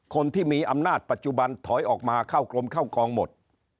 คนที่มีอำนาจปัจจุบันถอยออกมาเข้ากรมเข้ากองหมด